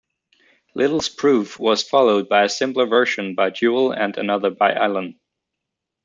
Little's proof was followed by a simpler version by Jewell and another by Eilon.